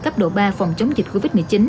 cấp độ ba phòng chống dịch covid một mươi chín